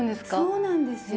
そうなんですよ。